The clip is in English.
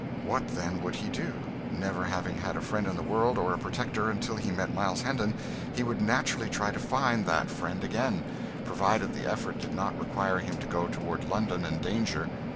What, then, would he do? Never having had a friend in the world, or a protector, until he met Miles Hendon, he would naturally try to find that friend again, provided the effort did not require him to go toward London and danger.